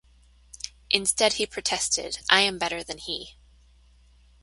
Instead he protested, I am better than he.